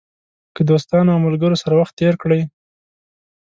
که دوستانو او ملګرو سره وخت تېر کړئ.